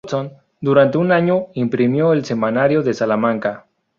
Durante un año imprimió el "Semanario de Salamanca".